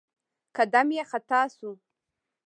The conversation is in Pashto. قدم يې خطا شو.